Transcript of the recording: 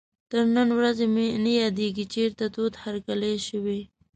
تر نن ورځې مې نه یادېږي چېرته تود هرکلی شوی.